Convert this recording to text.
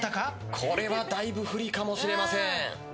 これはだいぶ不利かもしれません。